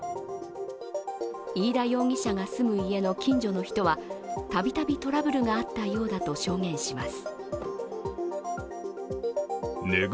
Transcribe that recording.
飯田容疑者が住む家の近所の人はたびたびトラブルがあったようだと証言します。